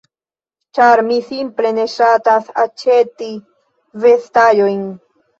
ĉar mi simple ne ŝatas aĉeti vestaĵojn.